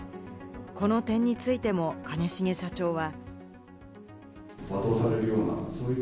この点についても兼重社長は。